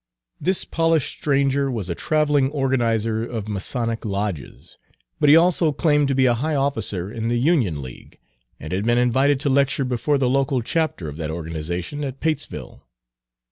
This polished stranger was a traveling organizer of Masonic lodges, but he also Page 204 claimed to be a high officer in the Union League, and had been invited to lecture before the local chapter of that organization at Patesville.